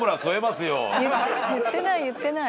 言ってない言ってない。